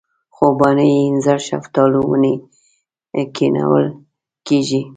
خوبانۍ اینځر شفتالو ونې کښېنول کېږي.